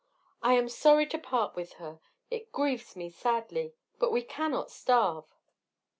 I am sorry to part with her; it grieves me sadly, but we cannot starve."